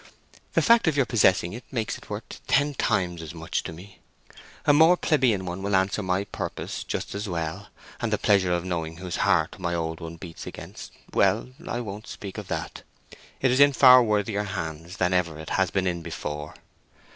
"The fact of your possessing it makes it worth ten times as much to me. A more plebeian one will answer my purpose just as well, and the pleasure of knowing whose heart my old one beats against—well, I won't speak of that. It is in far worthier hands than ever it has been in before."